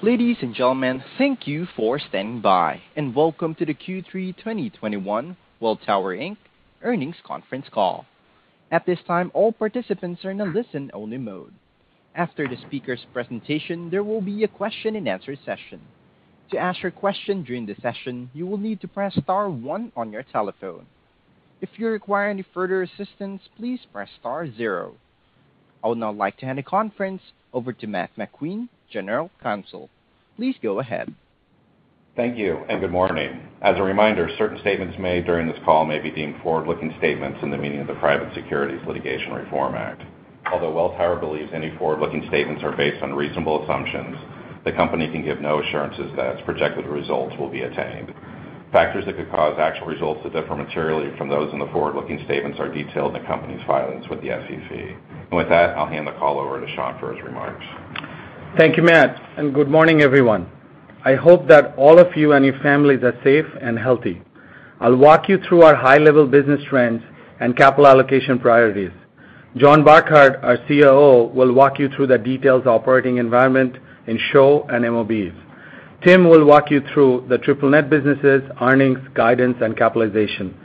Ladies and gentlemen, thank you for standing by, and welcome to the Q3 2021 Welltower Inc. earnings conference call. At this time, all participants are in a listen-only mode. After the speaker's presentation, there will be a question-and-answer session. To ask your question during the session, you will need to press star one on your telephone. If you require any further assistance, please press star zero. I would now like to hand the conference over to Matt McQueen, General Counsel. Please go ahead. Thank you, and good morning. As a reminder, certain statements made during this call may be deemed forward-looking statements in the meaning of the Private Securities Litigation Reform Act. Although Welltower believes any forward-looking statements are based on reasonable assumptions, the company can give no assurances that its projected results will be attained. Factors that could cause actual results to differ materially from those in the forward-looking statements are detailed in the company's filings with the SEC. With that, I'll hand the call over to Shankh for his remarks. Thank you, Matt, and good morning, everyone. I hope that all of you and your families are safe and healthy. I'll walk you through our high-level business trends and capital allocation priorities. John Burkart, our COO, will walk you through the detailed operating environment in SHO and MOBs. Tim will walk you through the triple net businesses, earnings, guidance, and capitalization.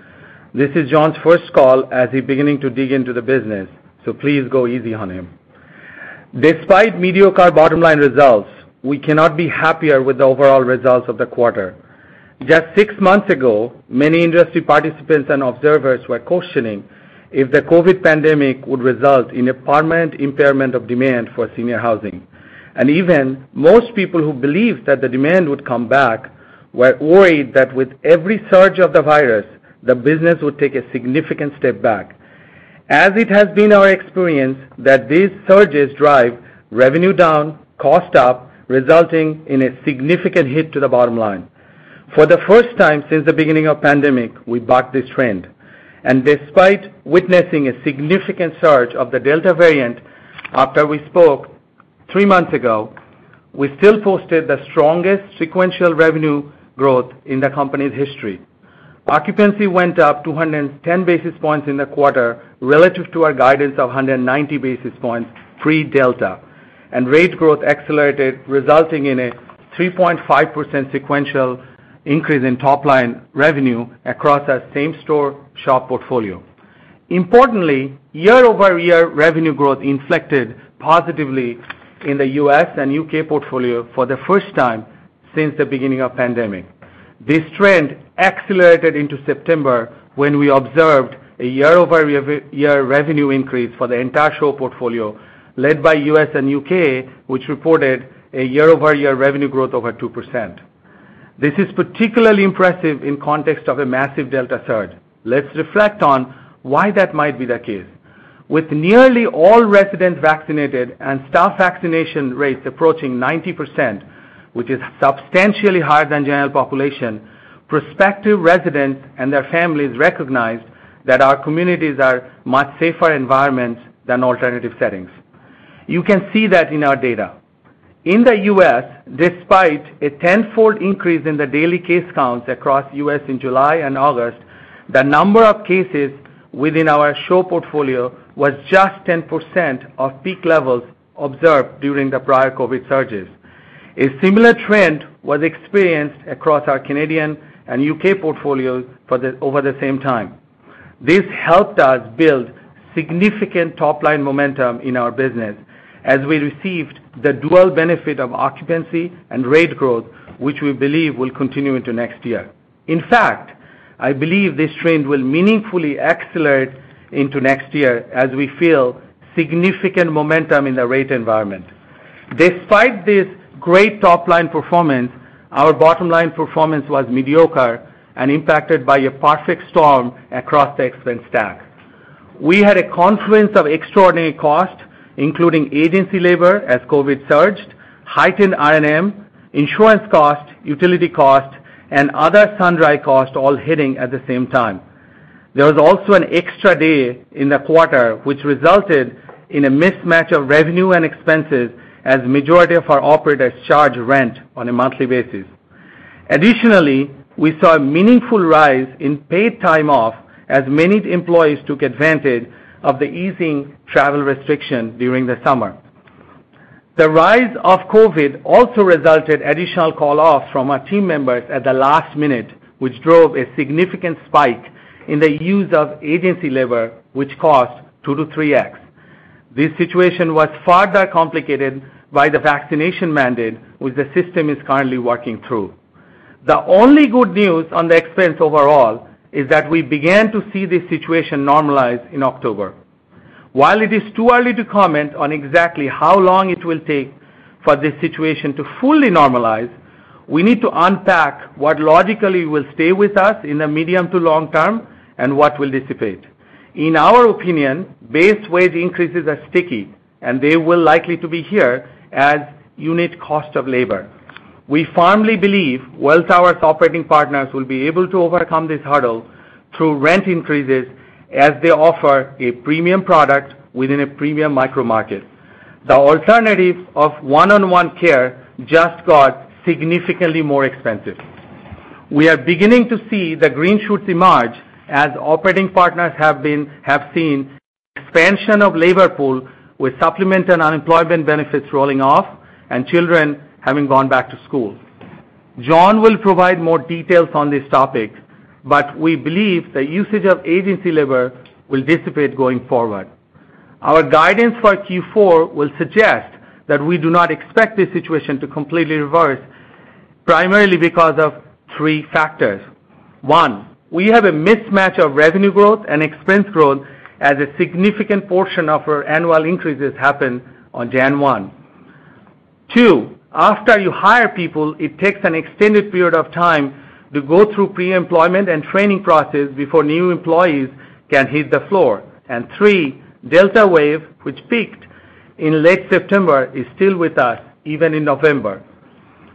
This is John's first call as he's beginning to dig into the business, so please go easy on him. Despite mediocre bottom-line results, we cannot be happier with the overall results of the quarter. Just six months ago, many industry participants and observers were questioning if the COVID pandemic would result in a permanent impairment of demand for senior housing. Even most people who believed that the demand would come back were worried that with every surge of the virus, the business would take a significant step back. As it has been our experience that these surges drive revenue down, cost up, resulting in a significant hit to the bottom line. For the first time since the beginning of the pandemic, we bucked this trend, and despite witnessing a significant surge of the Delta variant after we spoke three months ago, we still posted the strongest sequential revenue growth in the company's history. Occupancy went up 210 basis points in the quarter relative to our guidance of 190 basis points pre-Delta, and rate growth accelerated, resulting in a 3.5% sequential increase in top-line revenue across our same-store SHO portfolio. Importantly, year-over-year revenue growth inflected positively in the U.S. and U.K. portfolio for the first time since the beginning of the pandemic. This trend accelerated into September when we observed a year-over-year revenue increase for the entire SHO portfolio led by U.S. and U.K., which reported a year-over-year revenue growth over 2%. This is particularly impressive in context of a massive Delta surge. Let's reflect on why that might be the case. With nearly all residents vaccinated and staff vaccination rates approaching 90%, which is substantially higher than general population, prospective residents and their families recognized that our communities are much safer environments than alternative settings. You can see that in our data. In the U.S., despite a tenfold increase in the daily case counts across the U.S. in July and August, the number of cases within our SHO portfolio was just 10% of peak levels observed during the prior COVID surges. A similar trend was experienced across our Canadian and U.K. portfolios over the same time. This helped us build significant top-line momentum in our business as we received the dual benefit of occupancy and rate growth, which we believe will continue into next year. In fact, I believe this trend will meaningfully accelerate into next year as we feel significant momentum in the rate environment. Despite this great top-line performance, our bottom-line performance was mediocre and impacted by a perfect storm across the expense stack. We had a confluence of extraordinary costs, including agency labor as COVID surged, heightened R&M, insurance costs, utility costs, and other sundry costs all hitting at the same time. There was also an extra day in the quarter, which resulted in a mismatch of revenue and expenses as the majority of our operators charge rent on a monthly basis. Additionally, we saw a meaningful rise in paid time off as many employees took advantage of the easing travel restriction during the summer. The rise of COVID also resulted in additional call-offs from our team members at the last minute, which drove a significant spike in the use of agency labor, which cost 2-3x. This situation was further complicated by the vaccination mandate, which the system is currently working through. The only good news on the expense overall is that we began to see this situation normalize in October. While it is too early to comment on exactly how long it will take for this situation to fully normalize, we need to unpack what logically will stay with us in the medium to long term and what will dissipate. In our opinion, base wage increases are sticky, and they will likely be here to stay as unit cost of labor. We firmly believe Welltower's operating partners will be able to overcome this hurdle through rent increases as they offer a premium product within a premium micro market. The alternative of one-on-one care just got significantly more expensive. We are beginning to see the green shoots emerge as operating partners have seen expansion of labor pool with supplemental unemployment benefits rolling off and children having gone back to school. John will provide more details on this topic, but we believe the usage of agency labor will dissipate going forward. Our guidance for Q4 will suggest that we do not expect this situation to completely reverse, primarily because of three factors. One, we have a mismatch of revenue growth and expense growth as a significant portion of our annual increases happen on January 1. Two, after you hire people, it takes an extended period of time to go through pre-employment and training process before new employees can hit the floor. Three, Delta wave, which peaked in late September, is still with us even in November.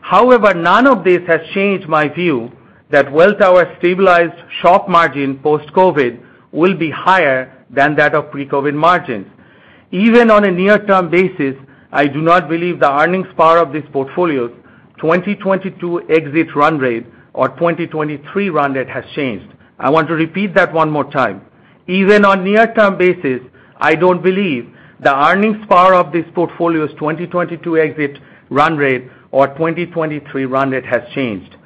However, none of this has changed my view that Welltower stabilized SHO margin post-COVID will be higher than that of pre-COVID margins. Even on a near-term basis, I do not believe the earnings power of these portfolios, 2022 exit run rate or 2023 run rate has changed. I want to repeat that one more time. Even on near-term basis, I don't believe the earnings power of this portfolio's 2022 exit run rate or 2023 run rate has changed.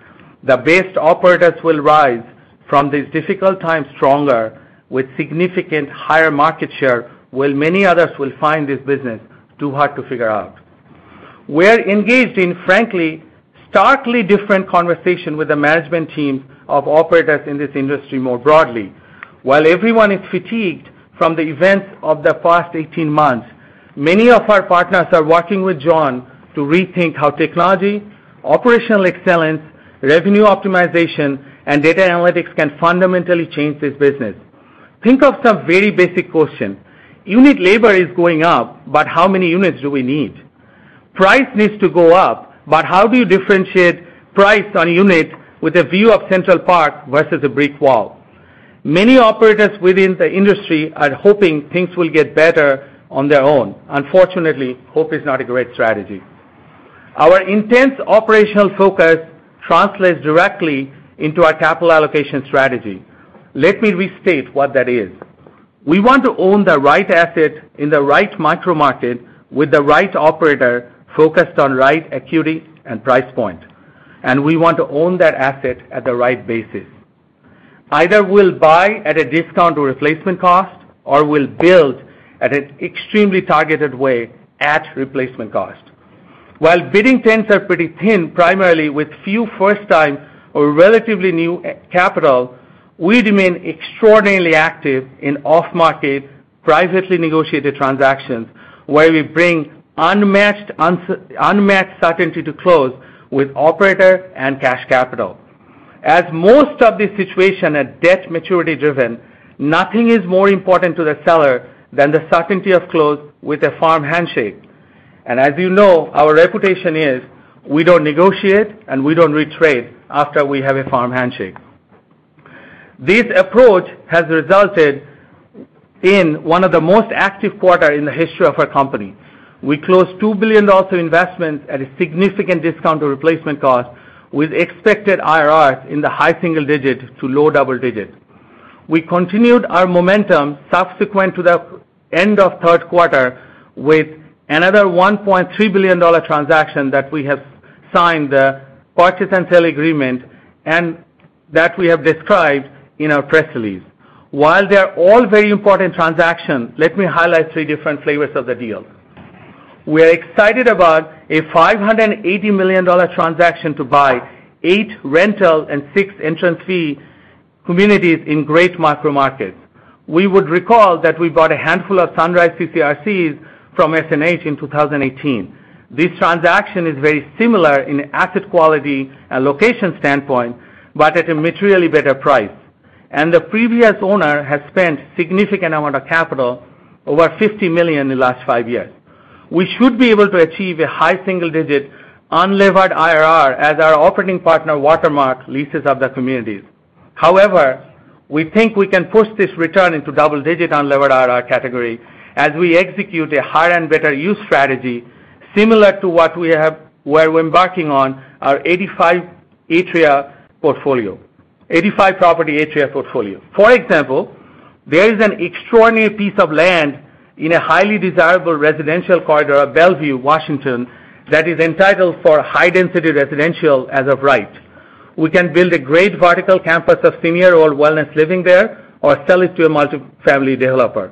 The best operators will rise from these difficult times stronger with significantly higher market share, while many others will find this business too hard to figure out. We're engaged in, frankly, starkly different conversation with the management team of operators in this industry more broadly. While everyone is fatigued from the events of the past 18 months, many of our partners are working with John to rethink how technology, operational excellence, revenue optimization, and data analytics can fundamentally change this business. Think of some very basic question. Unit labor is going up, but how many units do we need? Price needs to go up, but how do you differentiate price on units with a view of Central Park versus a brick wall? Many operators within the industry are hoping things will get better on their own. Unfortunately, hope is not a great strategy. Our intense operational focus translates directly into our capital allocation strategy. Let me restate what that is. We want to own the right asset in the right micro market with the right operator focused on right acuity and price point, and we want to own that asset at the right basis. Either we'll buy at a discount or replacement cost, or we'll build at an extremely targeted way at replacement cost. While bidding tents are pretty thin, primarily with few first-time or relatively new capital, we remain extraordinarily active in off-market, privately negotiated transactions where we bring unmatched certainty to close with operator and cash capital. As most of the situation are debt maturity driven, nothing is more important to the seller than the certainty of close with a firm handshake. As you know, our reputation is we don't negotiate and we don't re-trade after we have a firm handshake. This approach has resulted in one of the most active quarter in the history of our company. We closed $2 billion of investment at a significant discount to replacement cost with expected IRRs in the high single digits to low double digits. We continued our momentum subsequent to the end of Q3 with another $1.3 billion transaction that we have signed the purchase and sale agreement and that we have described in our press release. While they are all very important transactions, let me highlight three different flavors of the deal. We are excited about a $580 million transaction to buy eight rental and six entrance fee communities in great micro markets. We would recall that we bought a handful of Sunrise CCRCs from SNH in 2018. This transaction is very similar in asset quality and location standpoint, but at a materially better price. The previous owner has spent significant amount of capital, over $50 million in the last five years. We should be able to achieve a high single-digit unlevered IRR as our operating partner, Watermark, leases up the communities. However, we think we can push this return into double-digit unlevered IRR category as we execute a higher and better use strategy similar to what we have, we're embarking on our 85-property Atria portfolio. For example, there is an extraordinary piece of land in a highly desirable residential corridor of Bellevue, Washington, that is entitled for high-density residential as of right. We can build a great vertical campus of senior or wellness living there or sell it to a multifamily developer.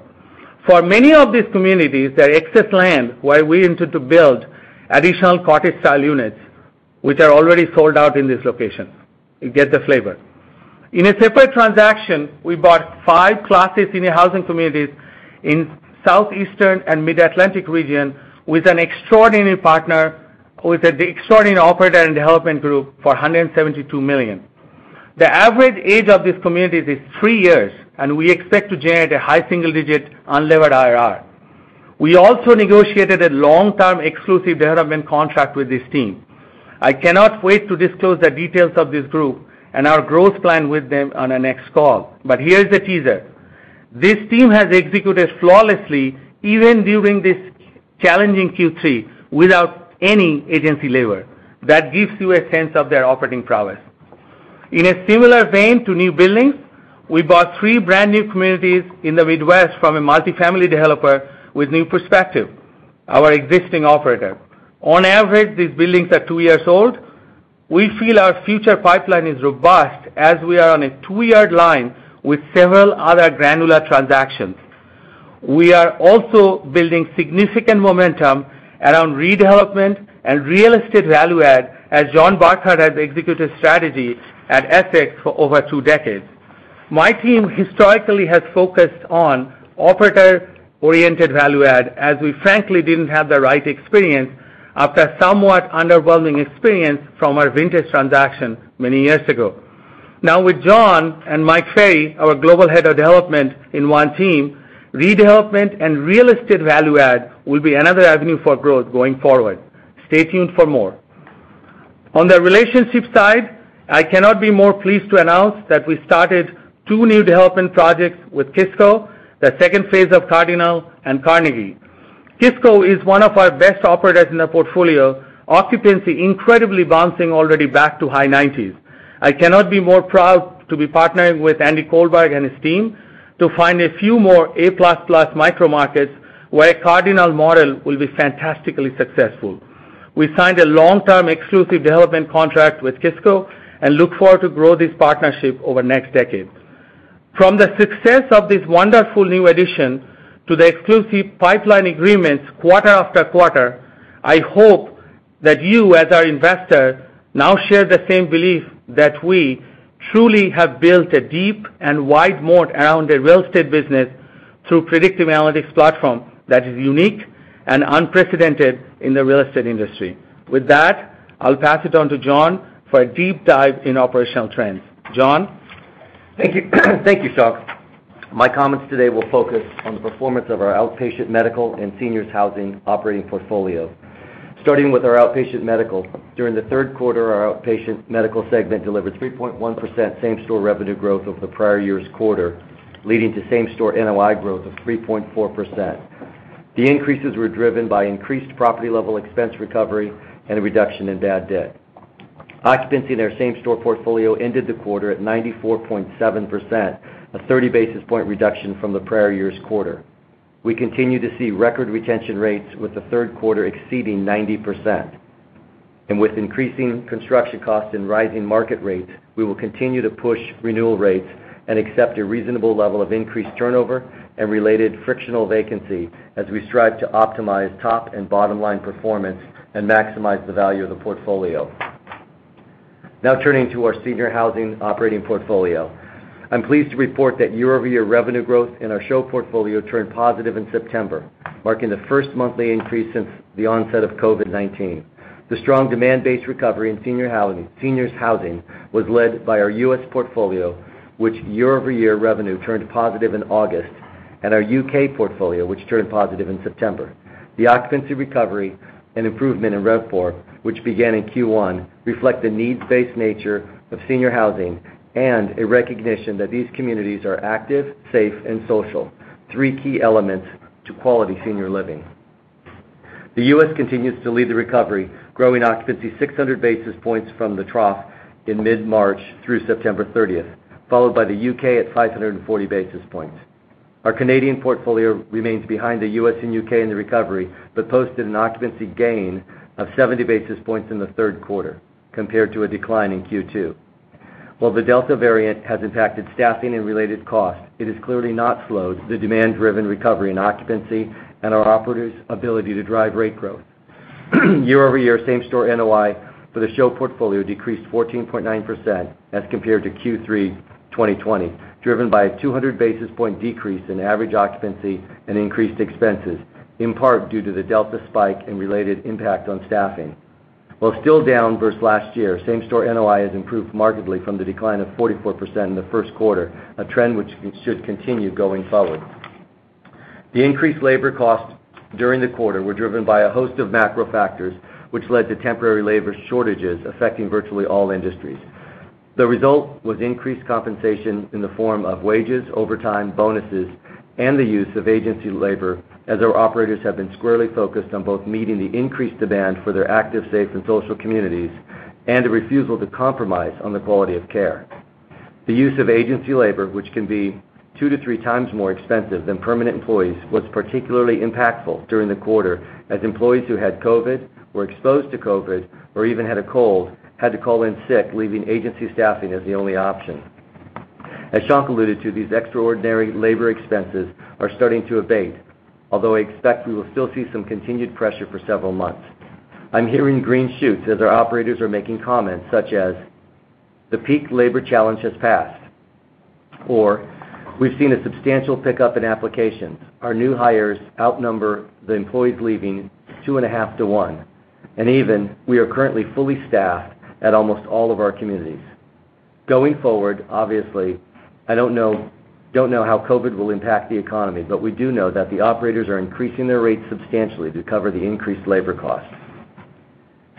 For many of these communities, there are excess land where we intend to build additional cottage-style units, which are already sold out in this location. You get the flavor. In a separate transaction, we bought five Class A senior housing communities in Southeastern and Mid-Atlantic region with an extraordinary operator and development group for $172 million. The average age of these communities is three years, and we expect to generate a high single-digit unlevered IRR. We also negotiated a long-term exclusive development contract with this team. I cannot wait to disclose the details of this group and our growth plan with them on the next call. Here's the teaser. This team has executed flawlessly even during this challenging Q3 without any agency labor. That gives you a sense of their operating prowess. In a similar vein to new buildings, we bought three brand new communities in the Midwest from a multifamily developer with New Perspective, our existing operator. On average, these buildings are two years old. We feel our future pipeline is robust as we are on a two-year line with several other granular transactions. We are also building significant momentum around redevelopment and real estate value add as John Burkart has executed strategy at Essex for over two decades. My team historically has focused on operator-oriented value add as we frankly didn't have the right experience after a somewhat underwhelming experience from our Vintage transaction many years ago. Now with John and Mike Ferry, our Global Head of Development in one team, redevelopment and real estate value add will be another avenue for growth going forward. Stay tuned for more. On the relationship side, I cannot be more pleased to announce that we started two new development projects with Kisco, the second phase of The Cardinal and The Carnegie. Kisco is one of our best operators in the portfolio, occupancy incredibly bouncing already back to high 90s. I cannot be more proud to be partnering with Andy Kohlberg and his team to find a few more A++ micro markets where The Cardinal model will be fantastically successful. We signed a long-term exclusive development contract with Kisco and look forward to grow this partnership over next decade. From the success of this wonderful new addition to the exclusive pipeline agreements quarter after quarter, I hope that you, as our investor, now share the same belief that we truly have built a deep and wide moat around a real estate business through predictive analytics platform that is unique and unprecedented in the real estate industry. With that, I'll pass it on to John for a deep dive in operational trends. John? Thank you, Shankh. My comments today will focus on the performance of our Outpatient Medical and Seniors Housing Operating portfolio. Starting with our Outpatient Medical, during the Q3, our Outpatient Medical segment delivered 3.1% same-store revenue growth over the prior year's quarter, leading to same-store NOI growth of 3.4%. The increases were driven by increased property level expense recovery and a reduction in bad debt. Occupancy in our same-store portfolio ended the quarter at 94.7%, a 30 basis point reduction from the prior year's quarter. We continue to see record retention rates with the Q3 exceeding 90%. With increasing construction costs and rising market rates, we will continue to push renewal rates and accept a reasonable level of increased turnover and related frictional vacancy as we strive to optimize top and bottom line performance and maximize the value of the portfolio. Now turning to our Senior Housing Operating portfolio. I'm pleased to report that year-over-year revenue growth in our SHO portfolio turned positive in September, marking the first monthly increase since the onset of COVID-19. The strong demand-based recovery in senior housing was led by our U.S. portfolio, which year-over-year revenue turned positive in August, and our U.K. portfolio, which turned positive in September. The occupancy recovery and improvement in RevPOR, which began in Q1, reflect the needs-based nature of senior housing and a recognition that these communities are active, safe, and social, three key elements to quality senior living. The U.S. Continues to lead the recovery, growing occupancy 600 basis points from the trough in mid-March through September 30, followed by the U.K. at 540 basis points. Our Canadian portfolio remains behind the U.S. and U.K. in the recovery, but posted an occupancy gain of 70 basis points in the Q3 compared to a decline in Q2. While the Delta variant has impacted staffing and related costs, it has clearly not slowed the demand-driven recovery in occupancy and our operators' ability to drive rate growth. Year-over-year same-store NOI for the SHO portfolio decreased 14.9% as compared to Q3 2020, driven by a 200 basis point decrease in average occupancy and increased expenses, in part due to the Delta spike and related impact on staffing. While still down versus last year, same-store NOI has improved markedly from the decline of 44% in the Q1, a trend which should continue going forward. The increased labor costs during the quarter were driven by a host of macro factors, which led to temporary labor shortages affecting virtually all industries. The result was increased compensation in the form of wages, overtime, bonuses, and the use of agency labor as our operators have been squarely focused on both meeting the increased demand for their active, safe, and social communities and a refusal to compromise on the quality of care. The use of agency labor, which can be 2-3 times more expensive than permanent employees, was particularly impactful during the quarter as employees who had COVID, were exposed to COVID, or even had a cold, had to call in sick, leaving agency staffing as the only option. As Shankh alluded to, these extraordinary labor expenses are starting to abate, although I expect we will still see some continued pressure for several months. I'm hearing green shoots as our operators are making comments such as, "The peak labor challenge has passed," or, "We've seen a substantial pickup in applications. Our new hires outnumber the employees leaving 2.5 to 1," and even, "We are currently fully staffed at almost all of our communities." Going forward, obviously, I don't know how COVID will impact the economy, but we do know that the operators are increasing their rates substantially to cover the increased labor costs.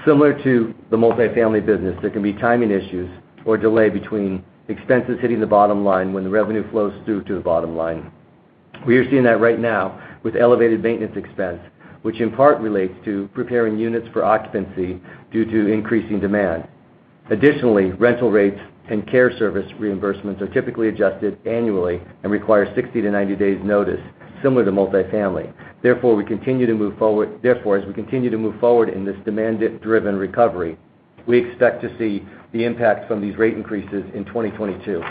Similar to the multifamily business, there can be timing issues or delay between expenses hitting the bottom line when the revenue flows through to the bottom line. We are seeing that right now with elevated maintenance expense, which in part relates to preparing units for occupancy due to increasing demand. Additionally, rental rates and care service reimbursements are typically adjusted annually and require 60-90 days notice similar to multifamily. Therefore, as we continue to move forward in this demand-driven recovery, we expect to see the impact from these rate increases in 2022.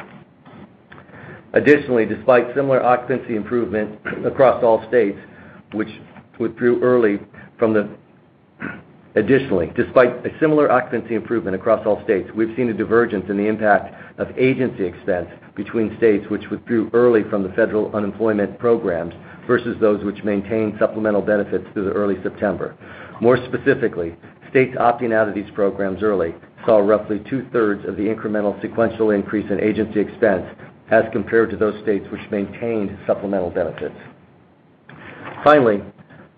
Additionally, despite a similar occupancy improvement across all states, we've seen a divergence in the impact of agency expense between states which withdrew early from the federal unemployment programs versus those which maintained supplemental benefits through early September. More specifically, states opting out of these programs early saw roughly two-thirds of the incremental sequential increase in agency expense as compared to those states which maintained supplemental benefits. Finally,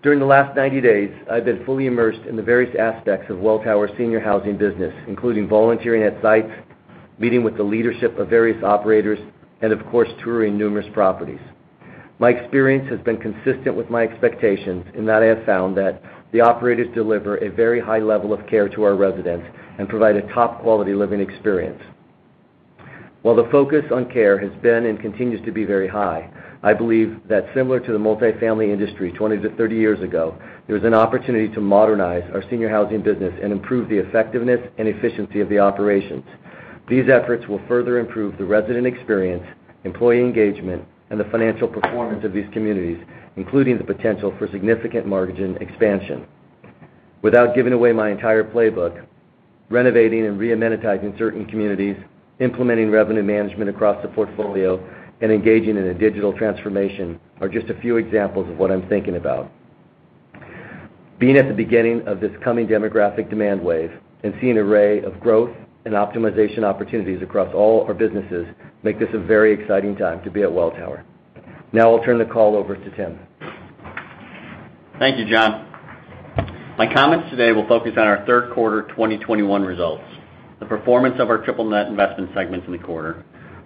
during the last 90 days, I've been fully immersed in the various aspects of Welltower Senior Housing business, including volunteering at sites, meeting with the leadership of various operators, and of course, touring numerous properties. My experience has been consistent with my expectations in that I have found that the operators deliver a very high level of care to our residents and provide a top quality living experience. While the focus on care has been and continues to be very high, I believe that similar to the multifamily industry 20-30 years ago, there's an opportunity to modernize our senior housing business and improve the effectiveness and efficiency of the operations. These efforts will further improve the resident experience, employee engagement, and the financial performance of these communities, including the potential for significant margin expansion. Without giving away my entire playbook, renovating and reamenitizing certain communities, implementing revenue management across the portfolio, and engaging in a digital transformation are just a few examples of what I'm thinking about. Being at the beginning of this coming demographic demand wave and seeing an array of growth and optimization opportunities across all our businesses make this a very exciting time to be at Welltower. Now, I'll turn the call over to Tim. Thank you, John. My comments today will focus on our Q3 2021 results, the performance of our triple net investment segments in the quarter,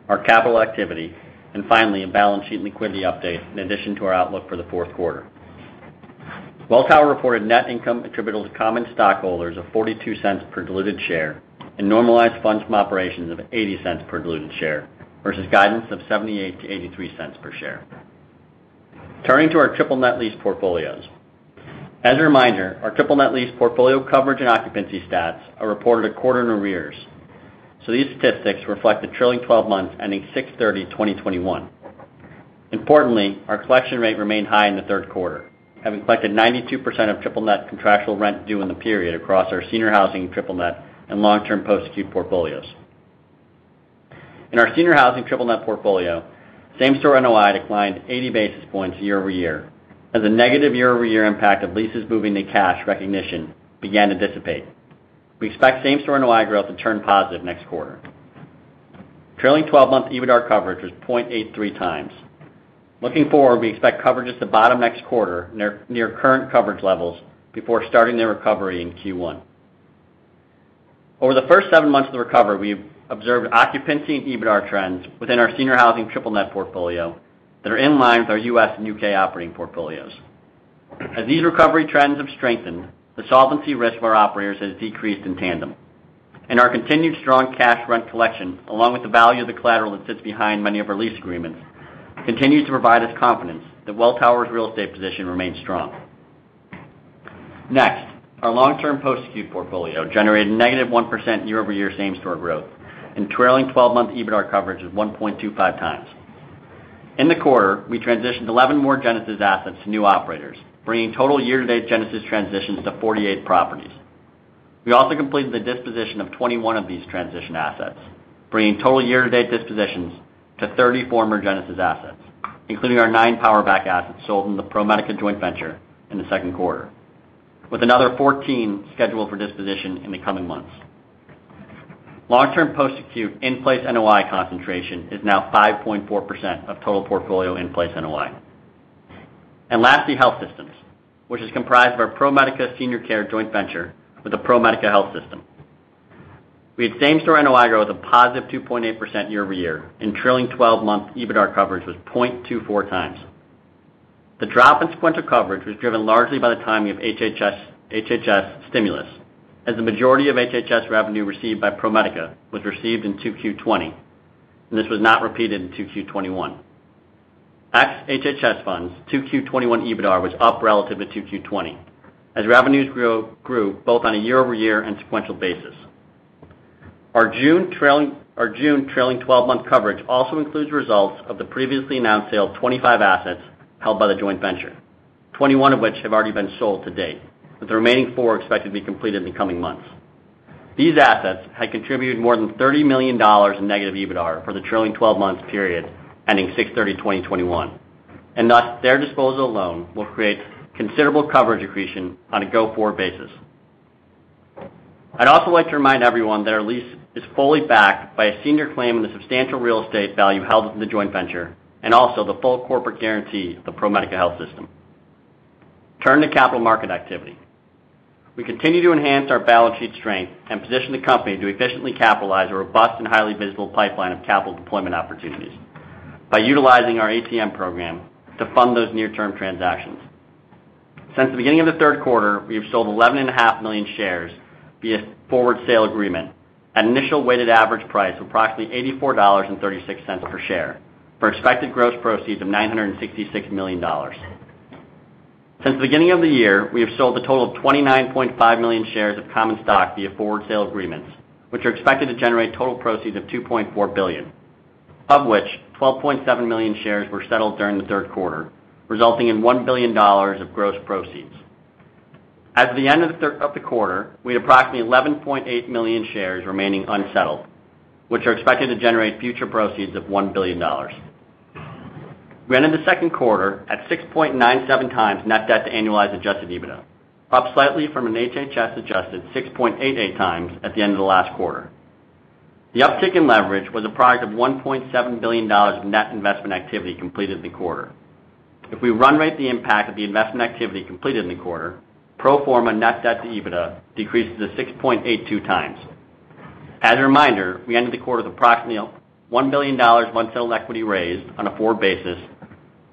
our capital activity, and finally, a balance sheet liquidity update in addition to our outlook for the Q4. Welltower reported net income attributable to common stockholders of $0.42 per diluted share and normalized funds from operations of $0.80 per diluted share versus guidance of $0.78-$0.83 per share. Turning to our triple net lease portfolios. As a reminder, our triple net lease portfolio coverage and occupancy stats are reported a quarter in arrears. These statistics reflect the trailing 12 months ending June 30, 2021. Importantly, our collection rate remained high in the Q3, having collected 92% of triple net contractual rent due in the period across our senior housing triple net and long-term post-acute portfolios. In our senior housing triple net portfolio, same-store NOI declined 80 basis points year-over-year as a negative year-over-year impact of leases moving to cash recognition began to dissipate. We expect same-store NOI growth to turn positive next quarter. Trailing 12-month EBITDAR coverage was 0.83 times. Looking forward, we expect coverages to bottom next quarter near current coverage levels before starting their recovery in Q1. Over the first seven months of the recovery, we've observed occupancy and EBITDAR trends within our senior housing triple net portfolio that are in line with our U.S. and U.K. operating portfolios. As these recovery trends have strengthened, the solvency risk of our operators has decreased in tandem. Our continued strong cash rent collection, along with the value of the collateral that sits behind many of our lease agreements, continues to provide us confidence that Welltower's real estate position remains strong. Next, our long-term post-acute portfolio generated negative 1% year-over-year same store growth, and trailing twelve-month EBITDAR coverage is 1.25 times. In the quarter, we transitioned 11 more Genesis assets to new operators, bringing total year-to-date Genesis transitions to 48 properties. We also completed the disposition of 21 of these transition assets, bringing total year-to-date dispositions to 30 former Genesis assets, including our nine PowerBack assets sold in the ProMedica joint venture in the Q2, with another 14 scheduled for disposition in the coming months. Long-term post-acute in-place NOI concentration is now 5.4% of total portfolio in-place NOI. Lastly, health systems, which is comprised of our ProMedica Senior Care joint venture with the ProMedica Health System. We had same-store NOI grow 2.8% year-over-year, and trailing twelve-month EBITDAR coverage was 0.24 times. The drop in sequential coverage was driven largely by the timing of HHS stimulus, as the majority of HHS revenue received by ProMedica was received in 2Q 2020, and this was not repeated in 2Q 2021. Ex HHS funds, 2Q 2021 EBITDAR was up relative to 2Q 2020 as revenues grew both on a year-over-year and sequential basis. Our June trailing twelve-month coverage also includes results of the previously announced sale of 25 assets held by the joint venture, 21 of which have already been sold to date, with the remaining four expected to be completed in the coming months. These assets had contributed more than $30 million in negative EBITDAR for the trailing twelve months period ending 6/30/2021, and thus their disposal alone will create considerable coverage accretion on a go-forward basis. I'd also like to remind everyone that our lease is fully backed by a senior claim in the substantial real estate value held in the joint venture, and also the full corporate guarantee of the ProMedica Health System. Turn to capital market activity. We continue to enhance our balance sheet strength and position the company to efficiently capitalize a robust and highly visible pipeline of capital deployment opportunities by utilizing our ATM program to fund those near-term transactions. Since the beginning of the Q3, we have sold 11.5 million shares via forward sale agreement at an initial weighted average price of approximately $84.36 per share for expected gross proceeds of $966 million. Since the beginning of the year, we have sold a total of 29.5 million shares of common stock via forward sale agreements, which are expected to generate total proceeds of $2.4 billion, of which 12.7 million shares were settled during the Q3, resulting in $1 billion of gross proceeds. As of the end of the quarter, we had approximately 11.8 million shares remaining unsettled, which are expected to generate future proceeds of $1 billion. We ended the Q2 at 6.97x net debt to annualized adjusted EBITDA, up slightly from an HHS-adjusted 6.88x at the end of the last quarter. The uptick in leverage was a product of $1.7 billion of net investment activity completed in the quarter. If we run rate the impact of the investment activity completed in the quarter, pro forma net debt to EBITDA decreases to 6.82x. As a reminder, we ended the quarter with approximately $1 billion of unsettled equity raised on a forward basis,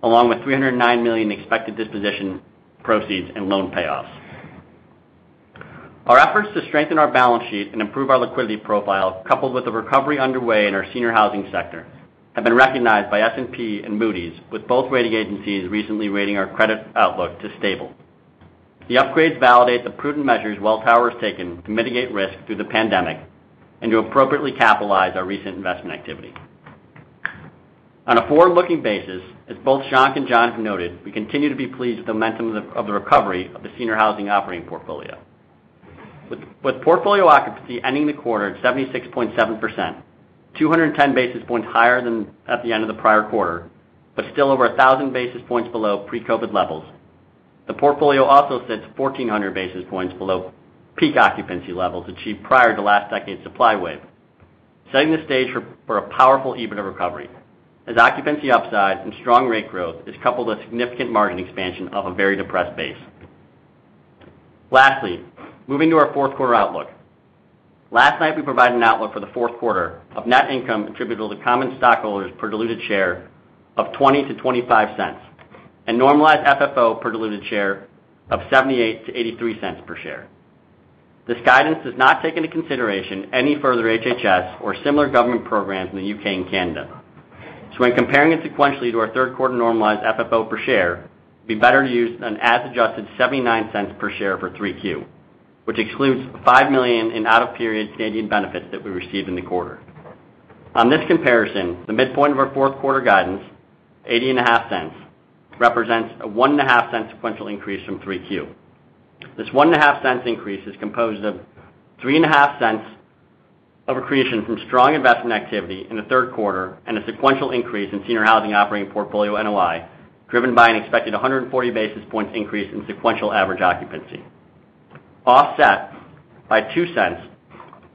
along with $309 million in expected disposition proceeds and loan payoffs. Our efforts to strengthen our balance sheet and improve our liquidity profile, coupled with the recovery underway in our senior housing sector, have been recognized by S&P and Moody's, with both rating agencies recently rating our credit outlook to stable. The upgrades validate the prudent measures Welltower has taken to mitigate risk through the pandemic and to appropriately capitalize our recent investment activity. On a forward-looking basis, as both Shankh and John have noted, we continue to be pleased with the momentum of the recovery of the senior housing operating portfolio. With portfolio occupancy ending the quarter at 76.7%, 210 basis points higher than at the end of the prior quarter, but still over 1,000 basis points below pre-COVID levels. The portfolio also sits 1,400 basis points below peak occupancy levels achieved prior to last decade's supply wave, setting the stage for a powerful EBITDA recovery as occupancy upside and strong rate growth is coupled with significant margin expansion off a very depressed base. Lastly, moving to our Q4 outlook. Last night, we provided an outlook for the Q4 of net income attributable to common stockholders per diluted share of $0.20-$0.25 and normalized FFO per diluted share of $0.78-$0.83 per share. This guidance does not take into consideration any further HHS or similar government programs in the U.K. and Canada. When comparing it sequentially to our Q3 normalized FFO per share, it'd be better to use an as-adjusted $0.79 per share for 3Q, which excludes the 5 million in out-of-period Canadian benefits that we received in the quarter. On this comparison, the midpoint of our Q4 guidance, $0.805, represents a 1.5-cent sequential increase from 3Q. This 1.5 cents increase is composed of 3.5 cents of accretion from strong investment activity in the Q3 and a sequential increase in senior housing operating portfolio NOI, driven by an expected 140 basis points increase in sequential average occupancy, offset by 2 cents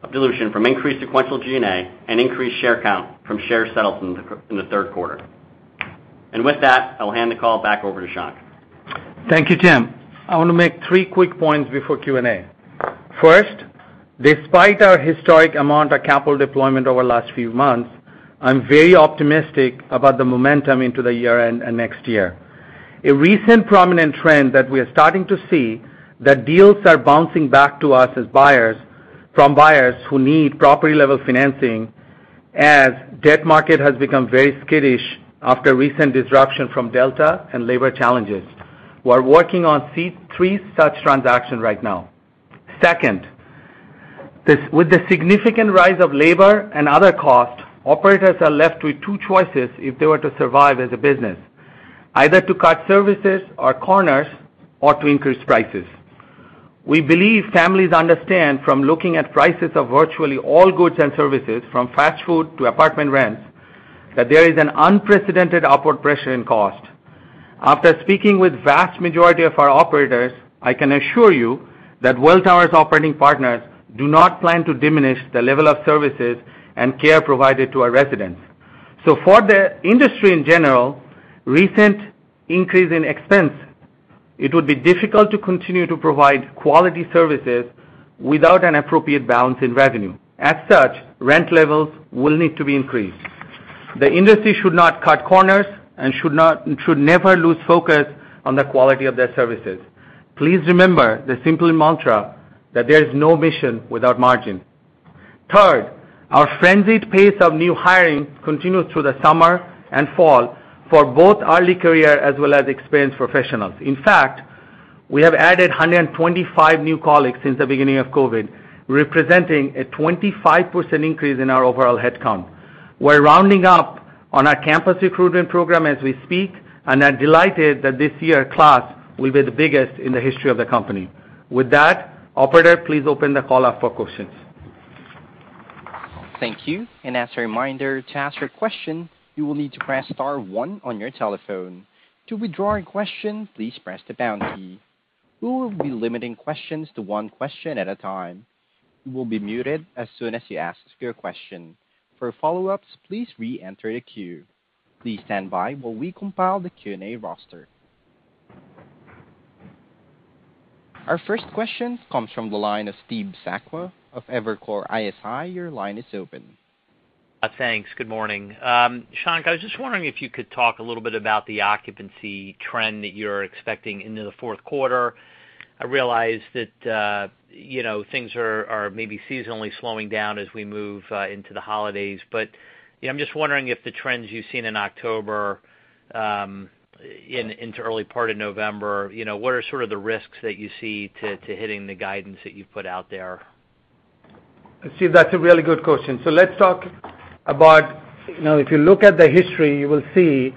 of dilution from increased sequential G&A and increased share count from share settles in the Q3. With that, I'll hand the call back over to Shankh. Thank you, Tim. I want to make three quick points before Q&A. First, despite our historic amount of capital deployment over the last few months, I'm very optimistic about the momentum into the year-end and next year. A recent prominent trend that we are starting to see that deals are bouncing back to us as buyers from buyers who need property-level financing as debt market has become very skittish after recent disruption from Delta and labor challenges. We're working on three such transactions right now. Second, this with the significant rise of labor and other costs, operators are left with two choices if they were to survive as a business, either to cut services or corners or to increase prices. We believe families understand from looking at prices of virtually all goods and services, from fast food to apartment rents, that there is an unprecedented upward pressure in cost. After speaking with vast majority of our operators, I can assure you that Welltower's operating partners do not plan to diminish the level of services and care provided to our residents. For the industry in general, recent increase in expense, it would be difficult to continue to provide quality services without an appropriate balance in revenue. As such, rent levels will need to be increased. The industry should not cut corners and should never lose focus on the quality of their services. Please remember the simple mantra that there is no mission without margin. Third, our frenzied pace of new hiring continued through the summer and fall for both early career as well as experienced professionals. In fact, we have added 125 new colleagues since the beginning of COVID, representing a 25% increase in our overall headcount. We're wrapping up on our campus recruitment program as we speak and are delighted that this year's class will be the biggest in the history of the company. With that, operator, please open the call up for questions. Thank you. As a reminder, to ask your question, you will need to press star one on your telephone. To withdraw your question, please press the pound key. We will be limiting questions to one question at a time. You will be muted as soon as you ask your question. For follow-ups, please re-enter the queue. Please stand by while we compile the Q&A roster. Our first question comes from the line of Steve Sakwa of Evercore ISI. Your line is open. Thanks. Good morning. Shankh, I was just wondering if you could talk a little bit about the occupancy trend that you're expecting into the Q4. I realize that, you know, things are maybe seasonally slowing down as we move into the holidays, but, you know, I'm just wondering if the trends you've seen in October, into early part of November, you know, what are sort of the risks that you see to hitting the guidance that you've put out there? Steve, that's a really good question. Let's talk about, you know, if you look at the history, you will see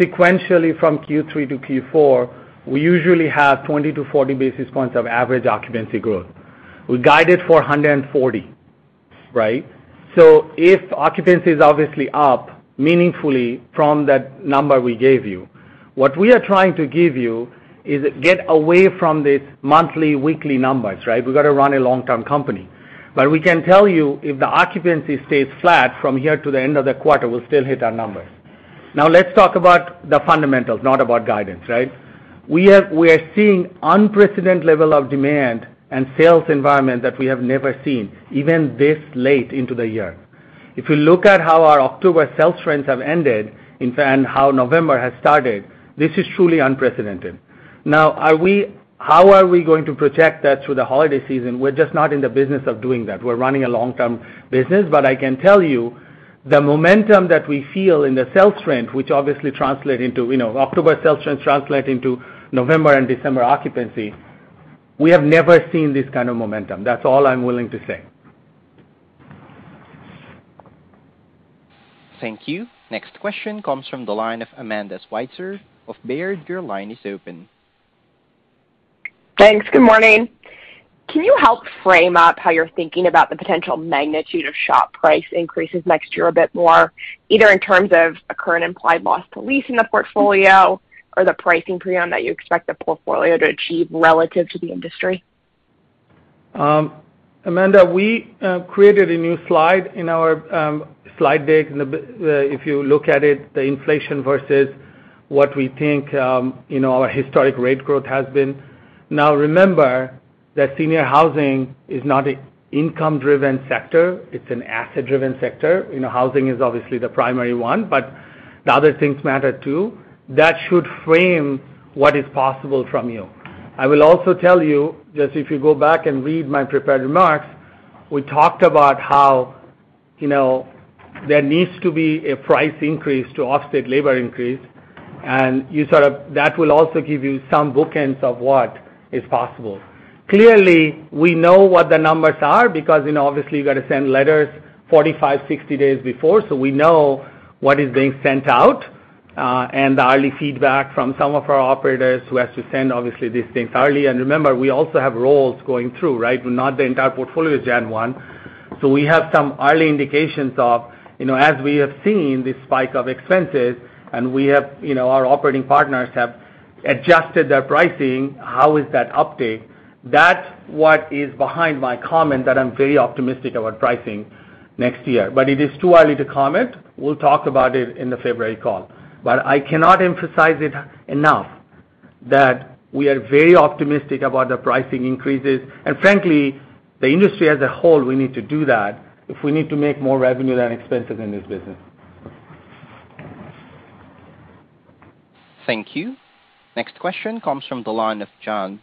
sequentially from Q3 to Q4, we usually have 20-40 basis points of average occupancy growth. We guided for 140, right? If occupancy is obviously up meaningfully from that number we gave you, what we are trying to give you is get away from these monthly, weekly numbers, right? We've got to run a long-term company. We can tell you if the occupancy stays flat from here to the end of the quarter, we'll still hit our numbers. Now let's talk about the fundamentals, not about guidance, right? We are seeing unprecedented level of demand and sales environment that we have never seen, even this late into the year. If you look at how our October sales trends have ended, in fact, how November has started, this is truly unprecedented. Now, how are we going to project that through the holiday season? We're just not in the business of doing that. We're running a long-term business. I can tell you the momentum that we feel in the sales trend, which obviously translate into, you know, October sales trends translate into November and December occupancy, we have never seen this kind of momentum. That's all I'm willing to say. Thank you. Next question comes from the line of Amanda Sweitzer of Baird. Your line is open. Thanks. Good morning. Can you help frame up how you're thinking about the potential magnitude of SHO price increases next year a bit more, either in terms of a current implied loss to lease in the portfolio or the pricing premium that you expect the portfolio to achieve relative to the industry? Amanda, we created a new slide in our slide deck. If you look at it, the inflation versus what we think, you know, our historic rate growth has been. Now, remember that senior housing is not an income-driven sector, it's an asset-driven sector. You know, housing is obviously the primary one, but the other things matter too. That should frame what is possible from you. I will also tell you, just if you go back and read my prepared remarks, we talked about how, you know, there needs to be a price increase to offset labor increase. That will also give you some bookends of what is possible. Clearly, we know what the numbers are because, you know, obviously you gotta send letters 45-60 days before, so we know what is being sent out, and the early feedback from some of our operators who has to send obviously these things early. Remember, we also have rolls going through, right? Not the entire portfolio is gen one. We have some early indications of, you know, as we have seen this spike of expenses and we have, you know, our operating partners have adjusted their pricing, how that's updating? That's what is behind my comment that I'm very optimistic about pricing next year. It is too early to comment. We'll talk about it in the February call. I cannot emphasize it enough that we are very optimistic about the pricing increases. Frankly, the industry as a whole, we need to do that if we need to make more revenue than expenses in this business. Thank you. Next question comes from the line of John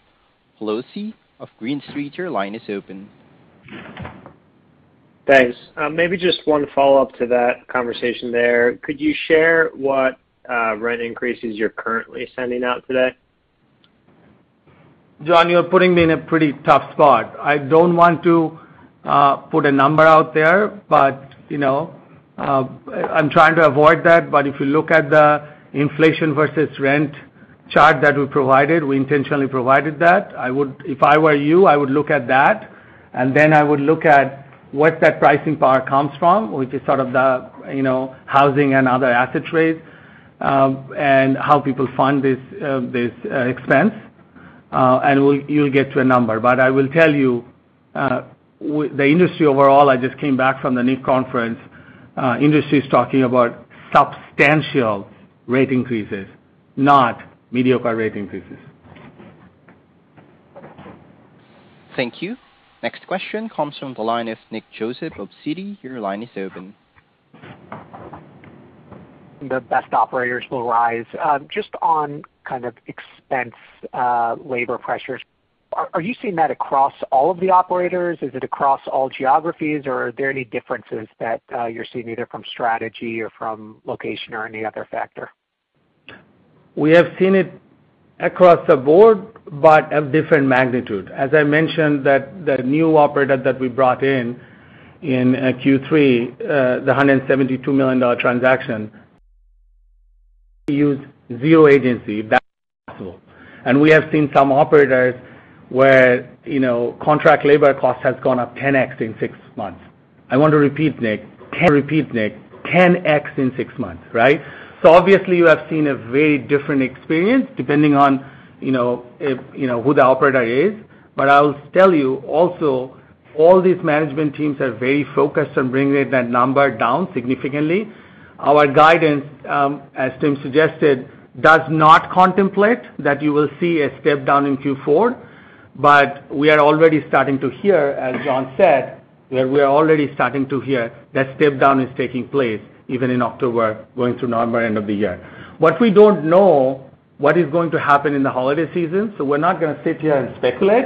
Pawlowski of Green Street. Your line is open. Thanks. Maybe just one follow-up to that conversation there. Could you share what rent increases you're currently sending out today? John, you're putting me in a pretty tough spot. I don't want to put a number out there, but, you know, I'm trying to avoid that. If you look at the inflation versus rent chart that we provided, we intentionally provided that. If I were you, I would look at that, and then I would look at what that pricing power comes from, which is sort of the, you know, housing and other asset trades, and how people fund this expense, and you'll get to a number. But I will tell you, the industry overall, I just came back from the NIC conference, industry is talking about substantial rate increases, not mediocre rate increases. Thank you. Next question comes from the line of Nick Joseph of Citi. Your line is open. The best operators will rise. Just on kind of expense labor pressures, are you seeing that across all of the operators? Is it across all geographies, or are there any differences that you're seeing either from strategy or from location or any other factor? We have seen it across the board, but at different magnitude. As I mentioned, that the new operator that we brought in in Q3, the $172 million transaction. Use zero agency if that's possible. We have seen some operators where, you know, contract labor cost has gone up 10x in six months. I want to repeat, Nick, 10x in six months, right? Obviously, you have seen a very different experience depending on, you know, who the operator is. I'll tell you also, all these management teams are very focused on bringing that number down significantly. Our guidance, as Tim suggested, does not contemplate that you will see a step down in Q4, but we are already starting to hear, as John said, that step-down is taking place even in October, going to November, end of the year. What we don't know is going to happen in the holiday season, so we're not gonna sit here and speculate,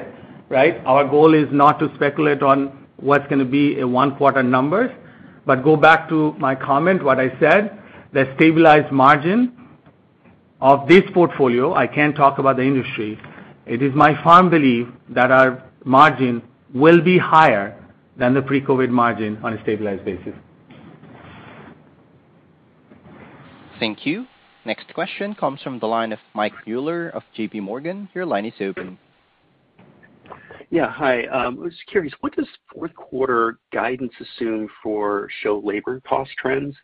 right? Our goal is not to speculate on what's gonna be a one-quarter numbers. Go back to my comment, what I said, the stabilized margin of this portfolio, I can't talk about the industry, it is my firm belief that our margin will be higher than the pre-COVID margin on a stabilized basis. Thank you. Next question comes from the line of Mike Mueller of JPMorgan. Your line is open. Yeah, hi. I was just curious, what does Q4 guidance assume for SHO labor cost trends?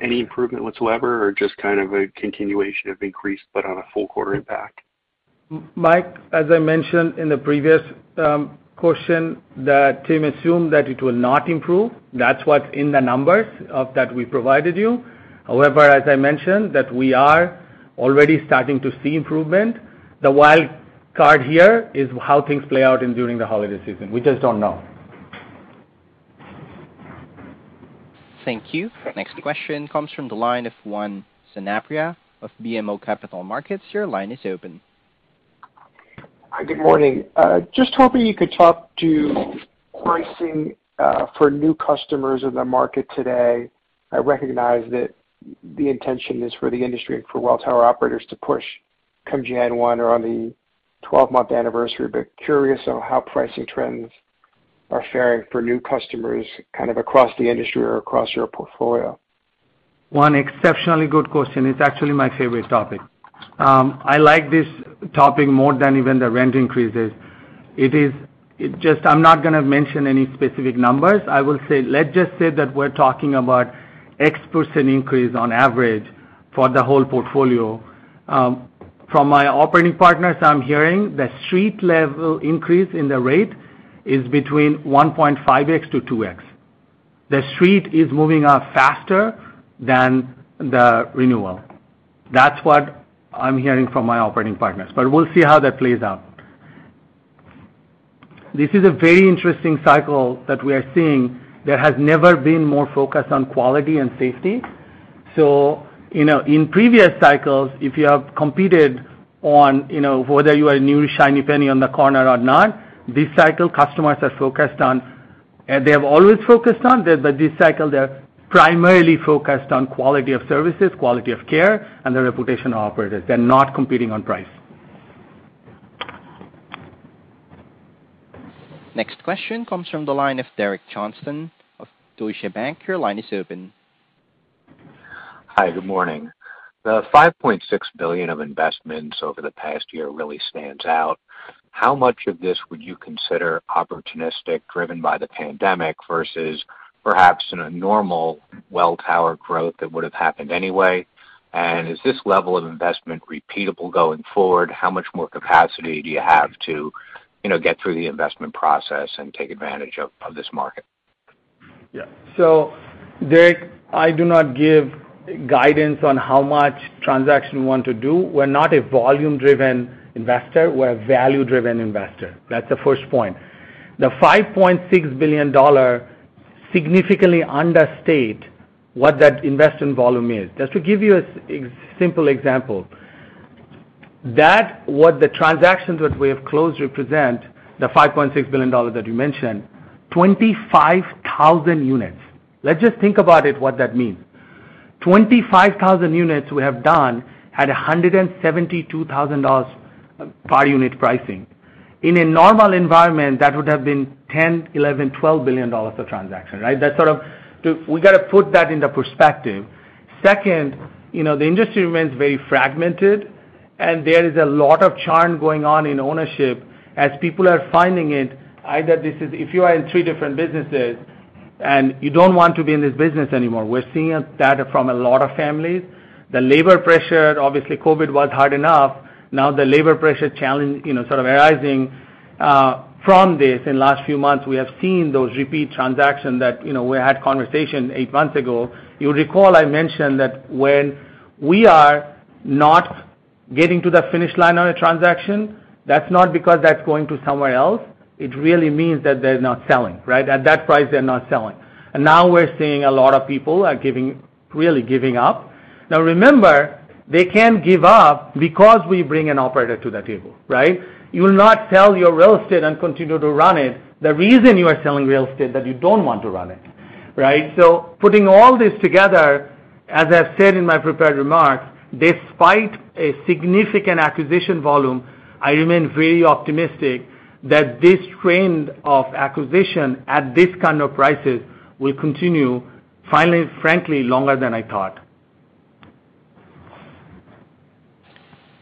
Any improvement whatsoever or just kind of a continuation of increase but on a full quarter impact? Mike, as I mentioned in the previous question that Tim assumed that it will not improve. That's what's in the numbers that we provided you. However, as I mentioned that we are already starting to see improvement. The wild card here is how things play out during the holiday season. We just don't know. Thank you. Next question comes from the line of Juan Sanabria of BMO Capital Markets. Your line is open. Hi, good morning. Just hoping you could talk to pricing for new customers in the market today. I recognize that the intention is for the industry and for Welltower operators to push come January 1 or on the twelve-month anniversary, but curious on how pricing trends are faring for new customers kind of across the industry or across your portfolio. One exceptionally good question. It's actually my favorite topic. I like this topic more than even the rent increases. I'm not gonna mention any specific numbers. I will say, let's just say that we're talking about X% increase on average for the whole portfolio. From my operating partners, I'm hearing the street level increase in the rate is between 1.5X-2X. The street is moving up faster than the renewal. That's what I'm hearing from my operating partners, but we'll see how that plays out. This is a very interesting cycle that we are seeing. There has never been more focus on quality and safety. You know, in previous cycles, if you have competed on, you know, whether you are a new shiny penny on the corner or not, this cycle, customers are focused on. They have always focused on, but this cycle they're primarily focused on quality of services, quality of care and the reputation of operators. They're not competing on price. Next question comes from the line of Derek Johnston of Deutsche Bank. Your line is open. Hi, good morning. The $5.6 billion of investments over the past year really stands out. How much of this would you consider opportunistic, driven by the pandemic versus perhaps in a normal Welltower growth that would have happened anyway? Is this level of investment repeatable going forward? How much more capacity do you have to, you know, get through the investment process and take advantage of this market? Yeah. Derek, I do not give guidance on how much transaction we want to do. We're not a volume-driven investor. We're a value-driven investor. That's the first point. The $5.6 billion dollar significantly understate what that investment volume is. Just to give you a simple example, that's what the transactions which we have closed represent, the $5.6 billion dollars that you mentioned, 25,000 units. Let's just think about it, what that means. 25,000 units we have done at $172,000 per unit pricing. In a normal environment, that would have been $10, $11, $12 billion a transaction, right? That's sort of. We gotta put that into perspective. Second, you know, the industry remains very fragmented, and there is a lot of churn going on in ownership as people are finding it. If you are in three different businesses and you don't want to be in this business anymore, we're seeing that from a lot of families. The labor pressure, obviously COVID was hard enough. Now the labor pressure challenge, you know, sort of arising from this in the last few months, we have seen those repeat transactions that, you know, we had a conversation eight months ago. You recall I mentioned that when we are not getting to the finish line on a transaction, that's not because it's going to somewhere else. It really means that they're not selling, right? At that price, they're not selling. Now we're seeing a lot of people are really giving up. Now remember, they can give up because we bring an operator to the table, right? You will not sell your real estate and continue to run it. The reason you are selling real estate, that you don't want to run it, right? Putting all this together, as I've said in my prepared remarks, despite a significant acquisition volume, I remain very optimistic that this trend of acquisition at this kind of prices will continue finally, frankly, longer than I thought.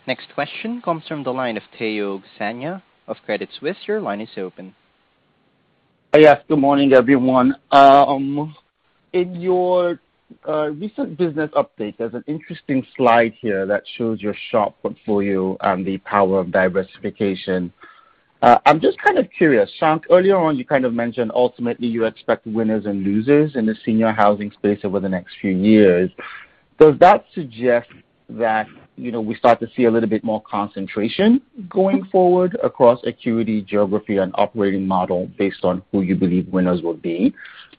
Next question comes from the line of Tayo Okusanya of Credit Suisse. Your line is open. Hi. Yes, good morning, everyone. In your recent business update, there's an interesting slide here that shows your SHO portfolio and the power of diversification. I'm just kind of curious, Shankh, earlier on, you kind of mentioned ultimately you expect winners and losers in the senior housing space over the next few years. Does that suggest that, you know, we start to see a little bit more concentration going forward across acuity, geography and operating model based on who you believe winners will be?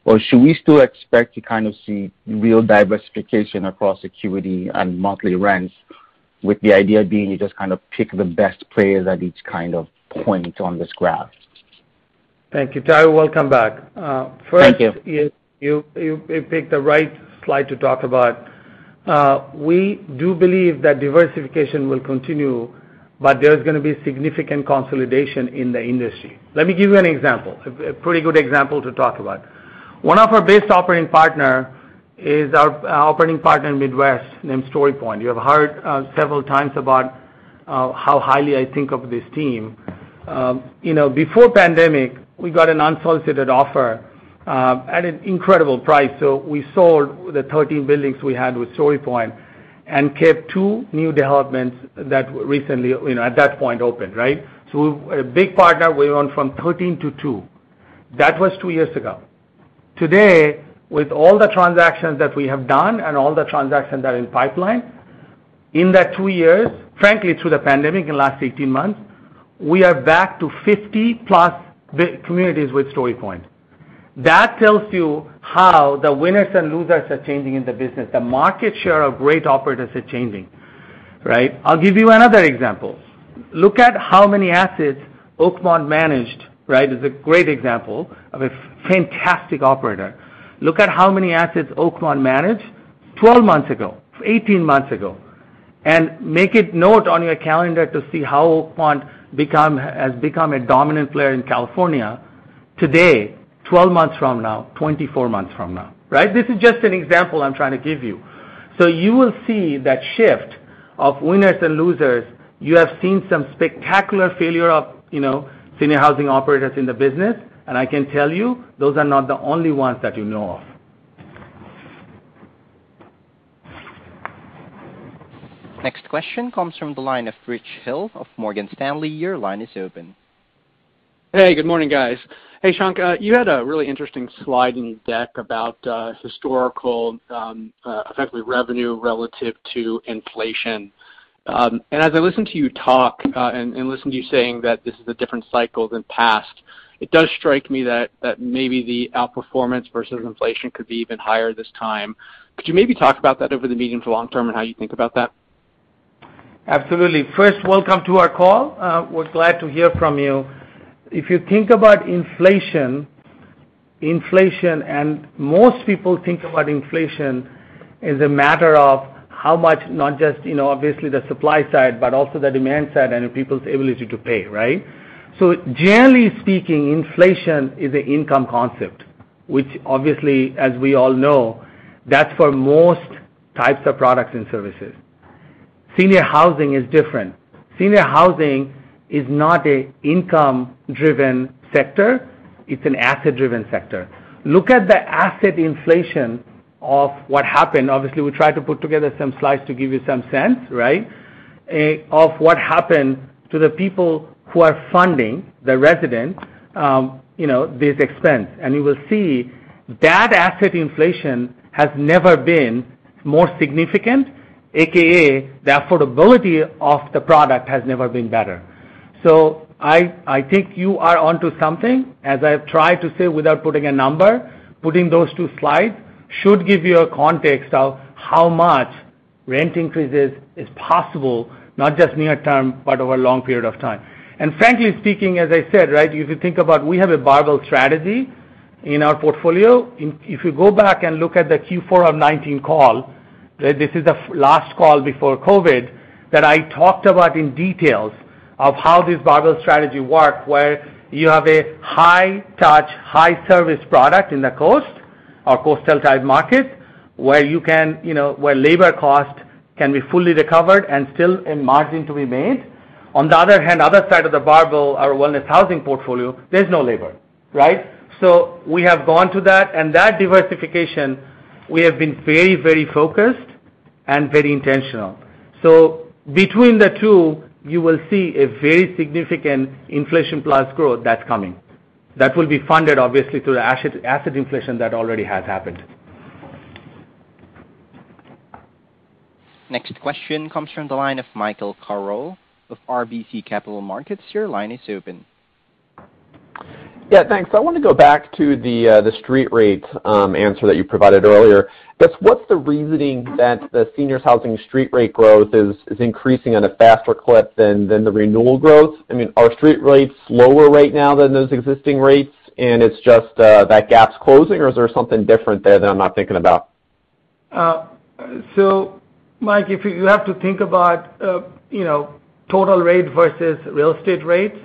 Or should we still expect to kind of see real diversification across acuity and monthly rents with the idea being you just kind of pick the best players at each kind of point on this graph? Thank you, Tayo. Welcome back. Thank you. First, you picked the right slide to talk about. We do believe that diversification will continue, but there's gonna be significant consolidation in the industry. Let me give you an example, a pretty good example to talk about. One of our best operating partner is our operating partner in Midwest named StoryPoint. You have heard several times about how highly I think of this team. You know, before pandemic, we got an unsolicited offer at an incredible price. We sold the 13 buildings we had with StoryPoint and kept 2 new developments that recently, you know, at that point, opened, right? A big partner we own from 13 to 2. That was 2 years ago. Today, with all the transactions that we have done and all the transactions that are in pipeline, in that 2 years, frankly, through the pandemic in the last 18 months, we are back to 50+ bed communities with StoryPoint. That tells you how the winners and losers are changing in the business. The market share of great operators are changing, right? I'll give you another example. Look at how many assets Oakmont managed, right? It's a great example of a fantastic operator. Look at how many assets Oakmont managed 12 months ago, 18 months ago, and make a note on your calendar to see how Oakmont has become a dominant player in California today, 12 months from now, 24 months from now, right? This is just an example I'm trying to give you. You will see that shift of winners and losers. You have seen some spectacular failure of, you know, senior housing operators in the business. I can tell you, those are not the only ones that you know of. Next question comes from the line of Rich Hill of Morgan Stanley. Your line is open. Hey, good morning, guys. Hey, Shankh, you had a really interesting slide in your deck about historical effectively revenue relative to inflation. As I listen to you talk and listen to you saying that this is a different cycle than past, it does strike me that maybe the outperformance versus inflation could be even higher this time. Could you maybe talk about that over the medium to long term and how you think about that? Absolutely. First, welcome to our call. We're glad to hear from you. If you think about inflation, most people think about inflation as a matter of how much, not just, you know, obviously the supply side, but also the demand side and people's ability to pay, right? So generally speaking, inflation is an income concept, which obviously, as we all know, that's for most types of products and services. Senior housing is different. Senior housing is not an income-driven sector. It's an asset-driven sector. Look at the asset inflation of what happened. Obviously, we tried to put together some slides to give you some sense, right? Of what happened to the people who are funding the resident, you know, this expense. You will see that asset inflation has never been more significant, AKA, the affordability of the product has never been better. I think you are onto something. As I've tried to say without putting a number, putting those two slides should give you a context of how much rent increases is possible, not just near term, but over a long period of time. Frankly speaking, as I said, right, if you think about we have a barbell strategy in our portfolio. If you go back and look at the Q4 of 2019 call, this is the last call before COVID that I talked about in details of how this barbell strategy work, where you have a high touch, high service product in the coast or coastal type market, where you can, you know, where labor cost can be fully recovered and still a margin to be made. On the other hand, other side of the barbell, our wellness housing portfolio, there's no labor, right? We have gone to that, and that diversification, we have been very, very focused and very intentional. Between the two, you will see a very significant inflation plus growth that's coming. That will be funded, obviously, through the asset inflation that already has happened. Next question comes from the line of Michael Carroll of RBC Capital Markets. Your line is open. Yeah, thanks. I wanna go back to the street rates, answer that you provided earlier. Just what's the reasoning that the seniors housing street rate growth is increasing on a faster clip than the renewal growth? I mean, are street rates lower right now than those existing rates, and it's just, that gap's closing, or is there something different there that I'm not thinking about? Mike, if you have to think about, you know, total rate versus real estate rates,